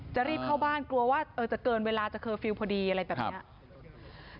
จะรีบเข้าบ้านกลัวว่าจะเกินเวลาจะเคอร์ฟิลล์พอดีอะไรแบบนี้